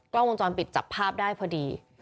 กล้องวงจรปิดจับภาพได้พอดี